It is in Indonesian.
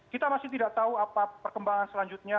kita masih tidak tahu apa perkembangan selanjutnya